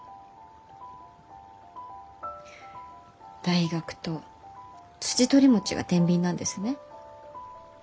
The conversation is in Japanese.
大学とツチトリモチがてんびんなんですね。